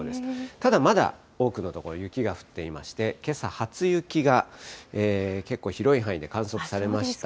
ただ、まだ多くの所、雪が降っていまして、けさ初雪が結構広い範囲で観測されました。